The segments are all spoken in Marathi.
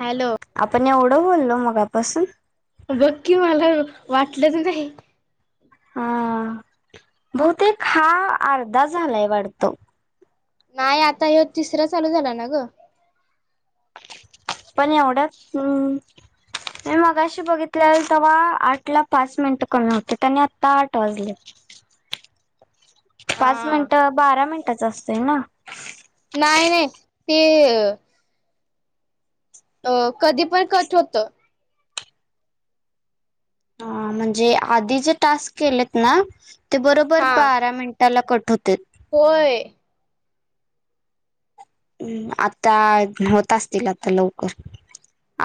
हॅलो. आपण एवढं बोललो मगापासून बघकी मला वाटलंच नाही हा बहुतेक हा अर्धा झालाय वाडत. नाही आता हे तिसरं चालू झालं ना ग पण एवढ्याचम् हु हम् [inaudible] म मगाशी बघितलेल तेव्हा आठ ला पाच मिनिटं कमी होते, त्यांनी आत्ता आठ वाजलेत. [unintelligible] पाच मिनिट, बारा मिनिटाच असतय ना. नाही-नाही ते. अ कधी पण कट होतं. ह म्हणजे आधी जे टास्क केलेत ना, ते बरोबर हा बारा मिनट. त्याला कठ होतय. होय. ह् आता होत असतील आता लवकर.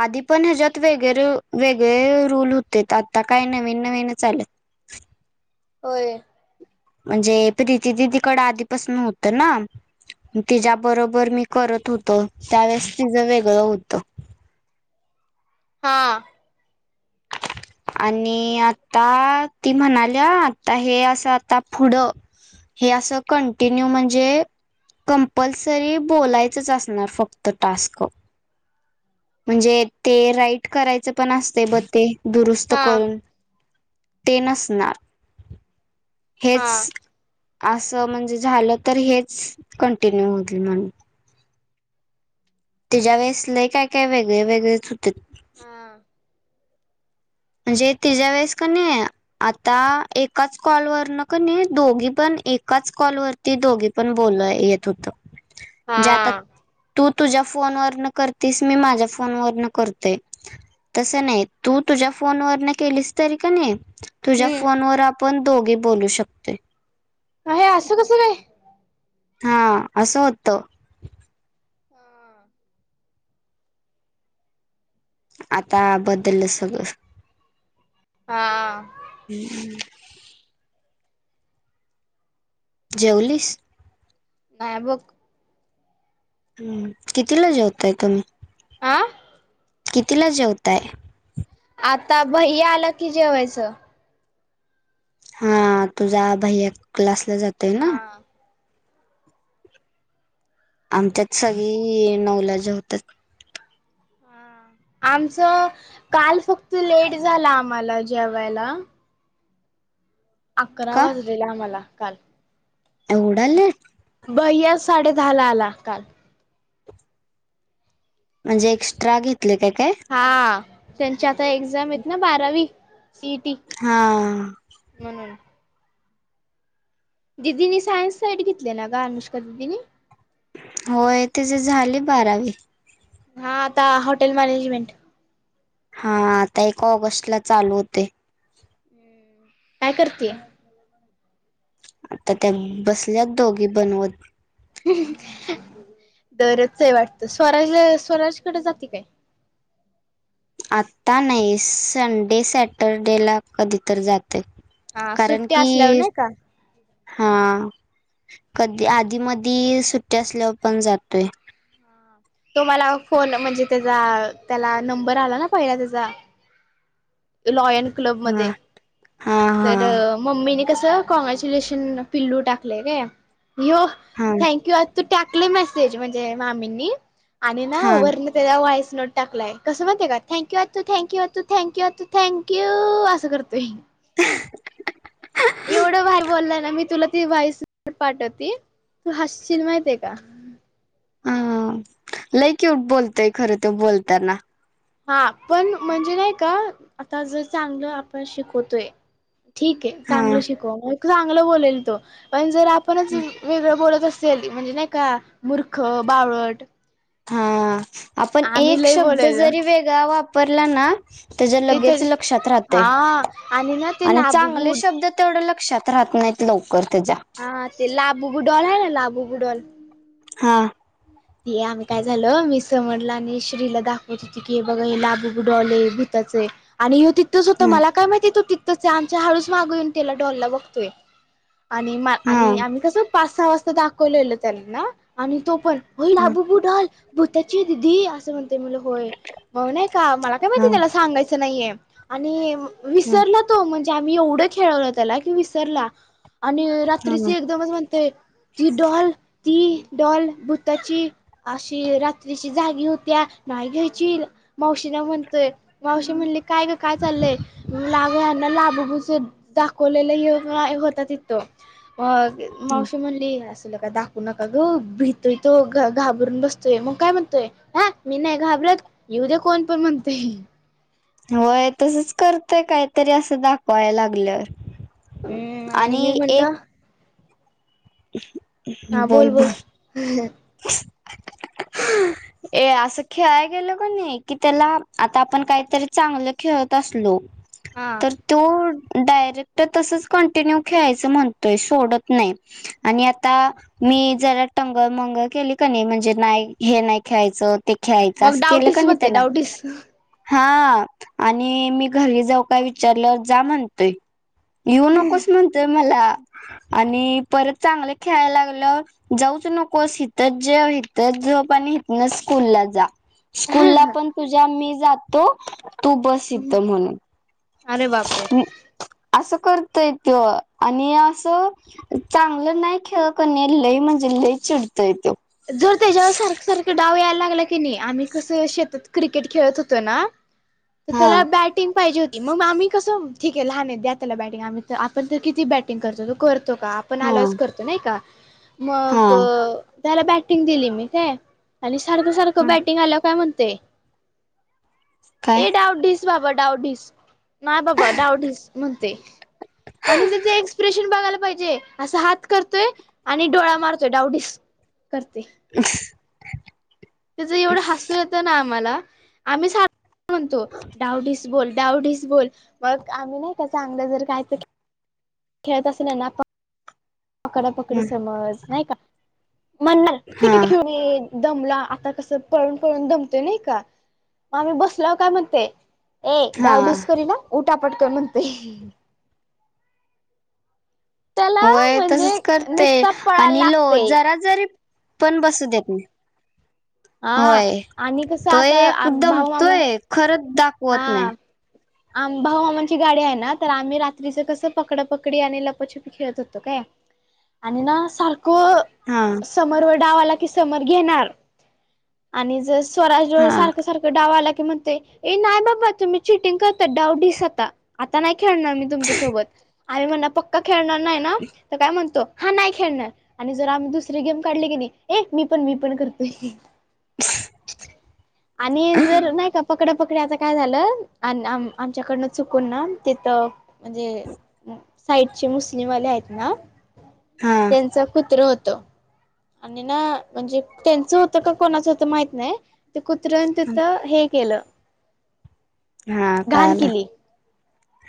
आधी पण ह्याच्यात वेगर रु वेगळे रूल होते, आता काय नवीन-नवीन आलेत. होय. म्हणजे प्रीती दिदीकड आधीपासून होतं ना. तिज्या बरोबर मी करत होतो, त्यावेेळेस तिझं वेगळं होतं. हां. आणि आता, ती म्हणाल्या आता हे असं आता पुढं हे असं कंटिन्यू म्हणजे कंपल्सरी बोलायचच असणार फक्त टास्क म्हणजे ते राईट करायचं पण असते, बघ ते दुरुस्त हा करून ते नसणार हा हेच आसं म्हणजे झालं तर, हेच कंटिन्यू होईल म्हणून तीज्या वेळेस लय काय-काय वेगळे वेगळेच हुतीत हा म्हणजे तिज्या वेळेस कणी आता एकाच कॉलवर न कनी, दोघी पण एकाच कॉलवर ती दोघी पण बोलन येत होत, जे आता हा तु तुझ्या फोन व न करतीस, मी माझ्या फोन वरन करतोय, तस नाही तू तुझ्या फोन वर न केलीस तरी कनी, तुझ्या हम्म फोन वर आपण दोघी बोलू शकतोय अ हे आस कस काय. हा असं होत. हा आता बदललं सगळं. हा. हम्म. जेवलीस? नाही बघ. हम्म, कितीला जेवताय तुम्ही? आ? कितीला जेवताय? आता भैय्या आला की जेवायचं. हा तुझा भैया क्लासला जात हा आमच्यात सगळी नऊ ला जेवतात. आमचं काल फक्त लेट झाला आम्हाला जेवायला. अकरा का वाजलेलं आम्हाला काल एवढा लेट भैया साडे दहा ला आला काल म्हणजे एक्स्ट्रा घेतले काय काय हा त्यांची आता एक्झाम आहेत ना बारावी सीइटी हा म्हणून दिदीनी सायन्स साईड घेतल्या ना गं अनुष्का दिदीनी होय तीज झाले बारावी. हा आता हॉटेल मॅनेजमेंट हा आता एका ऑगस्ट ला चालू होतेय काय करतीय तर त्या बसल्याच दोघी बनवत. हुम हु दरोज च आहे वाटत स्वराजला स्वराज कडे जाते काय आता नाही संडे सॅटरडेला कधीतर जाते हा कारण सुट्टी की असल्यावर नाही का हा कधी आधी मधी सुट्टी असल्यावर पण जातोय तो मला फोन म्हणजे त्याचा त्याला नंबर आला ना पहिला त्याचा लॉयन क्लब हा मध्ये हा तर मम्मीने कसं कॉग्रॅच्युलेशन पिल्लू टाकले काय ह्यो हा हा थँक यू तू टाकले मेसेज म्हणजे मामींनी आणि ना हा वरण त्याला व्हाईस नोट टाकलाय कसं माहितय का थँक्यू अतू थँक्यू अतू थँक्यूू अतू थँक्यू असं करतोय एवढं भारी बोललायं ना मी तुला ते व्हाईस पाठवती तू हासशील माहिते का अ लय क्युट बोलतोय खरं ते बोलताना हा पण म्हणजे नाही का आता जर चांगलं आपण शिकवतोय ठीक आहे हा चांगलं शिकव म चांगल बोलेल तो पण जर आपणच वेगळं बोलत असतो ली म्हणजे नाही का मूर्ख बावळट हा आपण आम्ही एक लय शब्द बोलायचं जरी वेगळा वापरला ना त्याच्या ते तर लगेच लक्षात राहतो हा आणि ना ते लाभगु तेवढं लक्षात राहत नाहीत लवकर त्याच्या हा ते लाबूबु डॉल आहे ना लाबूबू डॉल हां हे आम्ही काय झालं मी समदला आणि श्रीला दाखवत होती की हे बघा हे लाबूबू डॉले भूताचे आणि ह्यो तीत थंच होता हम्म मला काय माहिती तो तिथच हे आमच्या हाळूचं मागं येऊन त्याला डॉलला बघतोय आणि म हा आणि आम्ही कसं पाच सहा वाजता दाखवलेलं त्यांनी ना आणि तो पण हो ह लाबूबू डॉल भूताची आहे दिदी असं म्हणतंय मला होय भाऊ नायं का मला काय माहिती त्याला सांगायचं नाहीये आणि ह विसरलं तो म्हणजे आम्ही एवढं खेळवलं त्याला की विसरला आणि रात्रीचं ह एकदमच म्हणतंय ती डॉल ती डॉल भु ताची अशी रात्रीची जागी होत्या नाही घ्यायची मावशी ना म्हणतोय मावशी म्हणली काय ग काय चालय मी म्हंटलं अगं यांना लाभूभू चं दाखवलेलं यो होता तिथं. मग मावशी म्हणली असलं कायं दाखवू नका गं भीत त तो इथं घाबरून बसतोय मग काय म्हणतोय हा मी नाही घाबरत. येऊ दे कोण पण म्हणतोय होय तसच करतय काहीतरी असं दाखवाय लागल्यावर हम्म आणि मी म्हणलं बोल बोल [unintelligible] ए असं खेळायला गेलं का नाही कि त्याला आता आपण काहीतरी चांगलं खेळत असलो. हा तर तो डायरेक्ट तसच कंटिन्यू खेळायचं म्हणतोय सोडत नाही. आणि आता मी जरा टंगळ मंगळ केली क नाही म्हणजे नाही हे नाही खे्यायचं. ते खेळायचं मग असं केलं का डावडीस नाही म्हणते त्याला डावडीस हा आणि मी घरी जाऊ काय विचारल्यावर जा म्हणतोय. येऊ नकोस म्हणतोय मला आणि परत चांगलं खेळायला लागलं. जाऊच नकोस इथंच जेव इथंच झोप आणि इथनचं स्कूल ला जा. स्कूल ला पण तुझ्या मी जातो. तू बस य अरे बापरे म्हणून अस करतय त्यो आणि असं. चांगलं नाही खेळ क नाही लई म्हणजे लय चिडतय तो जर त्याच्यावर सारख सारखा डाव यायला लागला की नाही आम्ही कसं शेतात क्रिकेट खेळत होतो ना. तर हा त्याला बॅटिंग पाहिजे होती. मग आम्ही कसं ठीक आहे लहान आहे द्या त्याला बॅटिंग आम्ही तर आपण तर किती बॅटिंग करतो तो करतो का? पण हा आलाच करतो नाही का मग हा त्याला बॅटिंग दिली मी ते आणि सारखं सारखं बॅटिंग आलं काय म्हणते काय ए डावडीस बाबा डावडीस नाही बाबा डाऊटस म्हणते आणि त्याच एक्सप्रेशन बघायला पाहिजे. असा हात करतोय आणि डोळा मारतोय डावडीस करते. [unintelligible] त्याचं एवढं हसू येतं ना आम्हाला आम्ही म्हणतो डावडीस बोल डावडीच बोल मग आम्ही नाही का चांगलं जर काहीतरी खेळत असे ना. पकडापकडी समज नाही का म्हणणार हा किती खेऊन येन. दमला आता कसं पळून पळून दमतो नाही का मग आम्ही बसला काय मग ते ऐ हा डावडीच करीन अ उठा पटकन म्हणते. त्याला होय म्हणजे तसच करते नुसता पळायला आणि लो लागते जरा जरी पण बसू देत नाही. हा होय आणि कसं तोय आता एकदम भाऊ मामा तोय खरंच दाखवत नाही. हा आम भाऊ आमांची गाडी आहे ना तर आम्ही रात्रीच कसं पकड पकडी आणि लपाछपी खेळत होतो काय आणि ना सारखं हा. समोर व डावा आला की समोर घेणार आणि जस स्वराजळ हा सारखं सारखं डावा आला की म्हणते ए नाही बाबा तुम्ही चिटिंग करता डाव दिसता. आता नाही खेळणार मी तुमच्यासोबत आम्ही म्हणणार पक्का खेळणार नाही ना तर काय म्हणतो. हा नाही खेळणार आणि जर आम्ही दुसरी गेम काढले की नाही एक मी पण मी पण करतोय. आणि जर नाही का पकड पकडी आता काय झालं. आमच्याकडनं चुकून ना तिथं म्हणजे साईडचे मुस्लिमवाले आहेत ना हा त्यांचं कुत्र होत. आणि ना म्हणजे टेनचं होतं का कोणाचं होतं माहित नाही. ते कुत्र्यान तिथं हे केलं - - हा घाण कळालं केली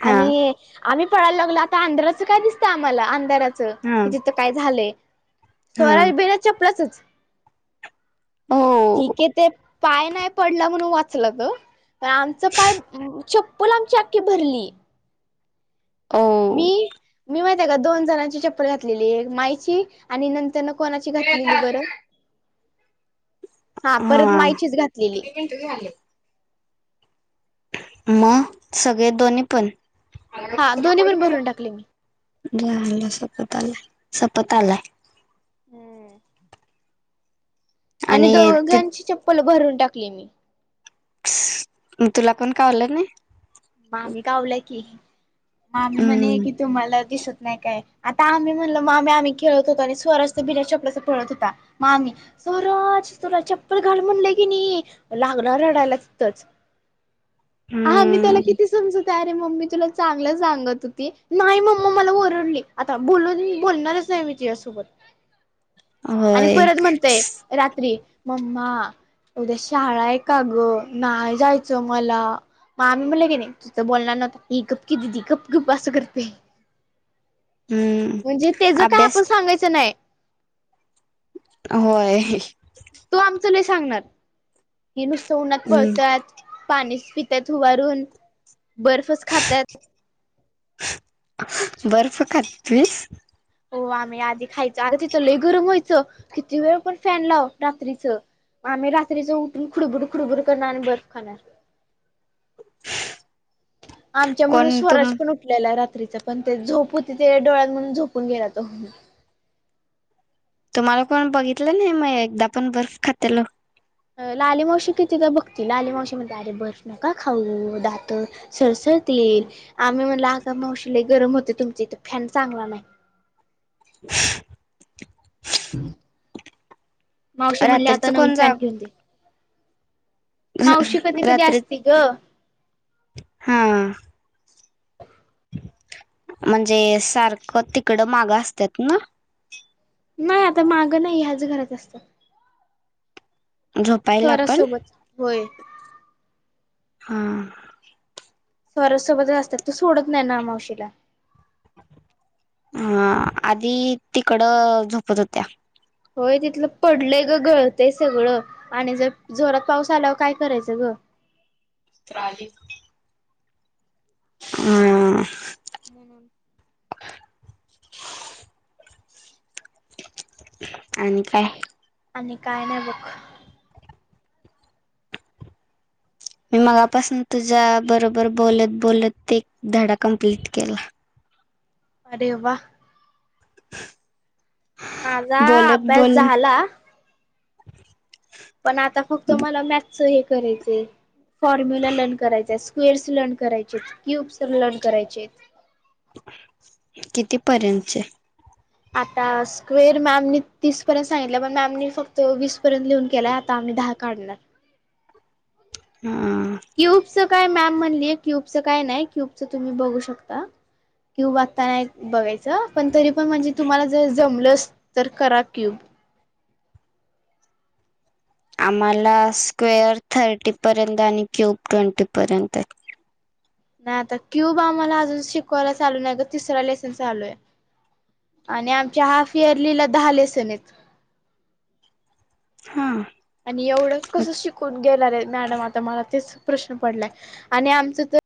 हा आणि आम्ही पळाय लागलो आता आंधांराच काय दिसतंय आम्हाला अंधारात? हा [unintelligible] कि तिथं काय झालंय. हा स्वराज बिना चपलाचचं. ओ ठीक आहे ते पाय नाही पडला म्हणून वाचला त पण आमचं पाय चप्पल आमची अख्खी भरली. ओ मी मी माहती आहे का दोन जणांची चप्पल घातलेली आहे मायची आणि नंतर न. कोणाची घातलेली बरं. हा परत मायचीच घातलेली. त झालं. म सगळे दोन्ही पण. हा. दोन्ही पण भरून टाकले मी. झालं सपत आलाय. सपत आलाय. हम्म. आणि दोघांची चप्पल भरून टाकली मी. तुला कोण कावलं नाही? मामी गावलं की. मामी म्हणे हम्म की तुम्हाला दिसत नाही काय. आता आम्ही म्हणल मामी आम्ही खेळत होतो आणि स्वराज तर बिना चपलाचा पळत होता. म आम्ही - - स्वराज तुला चप्पल घाल म्हणलं की नाही. म लागला रडायला तिथंच. हा. मी त्याला हम्म कि कायरे मम्मी तुला चांगलं सांगत होती. नाही. मम्म मला ओरडली. आता बोलून बोलणारच नाही. मी तिच्यासोबत आणि होय परत म्हणतय रात्री मम्मा उद्या शाळा हाय का गं. नाही जायचं मला. म आम्ही म्हणलं कीनी - - तुथं बोलणार नव्हता. ही गप की दिदी गप गप असं करतयं. हम्म म्हणजे तेज काय आपण अभ्यास सांगायचं नायं. होय. तो आमचं लई सांगणार. ही नुसतं उन्हात हम्म पळत्यात. पाणीच पित्यात हुबारून. बर्फच खात्यात. बर्फ खात हुतीस? हो. आम्ही आधी खायचो. आ तिथंलंई गरम व्हायचं. किती वेळ पण फॅन लाव रात्रीच. म आम्ही रात्रीच उठून खुडबुड - खुडबुड करणार आणि बर्फ खाणार. म आमच्यामुळं कोण तुम स्वराज पण उठलेला रात्रीच, पण ते झोप होती ते डोळ्यात म्हणून झोपून गेला तो. तुम्हाला कोण बघितलं नाही म एकदा पण बर्फ खात्यालं? लाली मावशी कितीदा बघती. लाली मावशी म्हणते आरे बर्फ नका खाऊ. दात- - सरसळतील. आम्ही म्हणल आगा मावशी लई गरम होते तुमच्या इथ फॅन चांगला नाही. [inaudible] मावशी म्हणली आता रात्रीच नवीन कोण जा फॅन घेऊन दे. मावशी कधी [unintelligible] कधी रात्री असते ग हा. म्हणजे सारखं तिकडं माग असत्यात ना? नाही. आता मागं नाही. ह्याच घरात असतात. झोपायला स्वराज आपण सोबत. होय. हा. स्वराजसोबतच असतात तो सोडत नाही ना मावशीला. हा. आधी तिकडं झोपत होत्या. होय. तिथलं पडलंय ग गळतंय सगळं आणि जर जोरात पाऊस आलावर काय करायचं ग? त्राली ह. म्हणुन- - [inaudible] आणि काय? आणि काय नाही बक. मी मगापासून तुझ्या बरोबर बोलत बोलत ते एक धडा कं्प्लीट केला अरेववा माझा बोलत अभ्यास बोलत झाला पण आता फक्त मला मॅथच हे करायचंय फॉर्म्युला लर्न करायचा. स्क्वेअर्स लर्न करायचे. क्यूब्स लर्न करायचे. किती पर्यंतचे? आता स्क्वेर मॅमनी तीस पर्यंत सांगितलं पण मॅमनी फक्त वीस पर्यंत लिहून केलाय आ - - आम्ही दहा काढणार. ह क्यूबचं काय मॅम म्हणलीय क्यूबचं काय नाही क्यूबचं तुम्ही बघू शकता कि वागताना बघायचं पण तरी पण म्हणजे तुम्हाला जर जमलं तर खरा क्यूब आम्हाला स्क्वेअर थर्टीपर्यंत आणि क्यूब ट्वेंटीपर्यंत नाही आता क्यूब आम्हाला अजून शिकवायला चालू नाही ग तिसरा लेसन चालू आहे आणि आमच्या हाफ इयरलीला दहा लेसन आहेत हा आणि एवढं मग कसं शिकून गेला रे मॅडम आता मला तेच प्रश्न पडलाय आणि आमचं तर